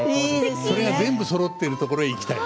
それが全部そろっているところに行きたい。